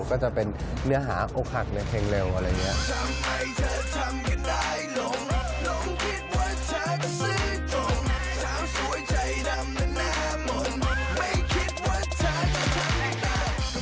ก็จะเป็นเนื้อหาอกหักเนื้อเพลงเร็วอะไรอย่างนี้